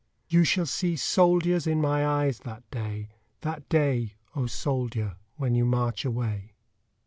You shall see soldiers in my eyes that day That day, O soldier, when you march away.